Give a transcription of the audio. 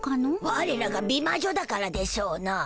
ワレらが美まじょだからでしょうな。